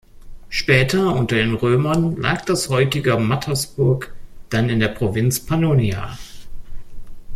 Später unter den Römern lag das heutige Mattersburg dann in der Provinz Pannonia.